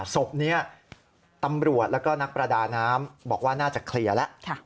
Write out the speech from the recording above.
ศพนี้ตำรวจแล้วก็นักประดาน้ำบอกว่าน่าจะเคลียร์แล้ว